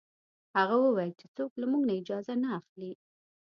هغه وویل چې څوک له موږ نه اجازه نه اخلي.